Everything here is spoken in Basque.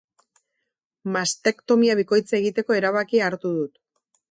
Mastektomia bikoitza egiteko erabakia hartu dut.